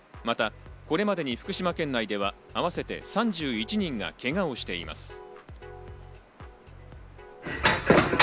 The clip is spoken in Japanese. また、これまでに福島県内では合わせて３１人がけがをしています。